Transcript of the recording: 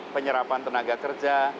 penyerapan tenaga kerja